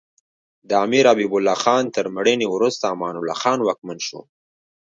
د امیر حبیب الله خان تر مړینې وروسته امان الله خان واکمن شو.